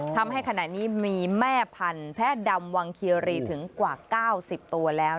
ทำให้ขณะนี้มีแม่พันธุ์แพร่ดำวังเคียรีถึงกว่า๙๐ตัวแล้ว